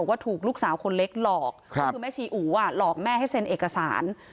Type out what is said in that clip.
ว่าถูกลูกสาวคนเล็กหลอกก็คือแม่ชีอู๋หลอกแม่ให้เซ็นเอกสาร